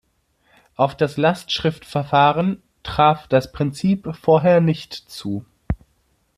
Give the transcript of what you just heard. Auf das Lastschriftverfahren traf das Prinzip vorher nicht zu.